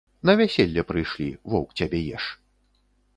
На вяселле прыйшлі, воўк цябе еш.